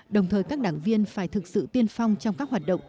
đồng thời các đảng viên phải thực sự tiên phong trong các hoạt động